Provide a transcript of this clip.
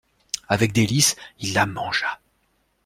Avec délices, il la mangea.